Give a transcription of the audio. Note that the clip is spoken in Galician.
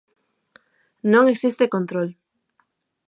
Non existe control.